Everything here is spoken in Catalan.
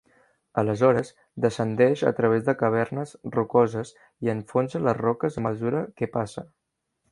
Aleshores, descendeix a través de cavernes rocoses i enfonsa les roques a mesura que passa.